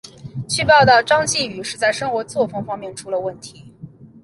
据报道张继禹是在生活作风方面出了问题。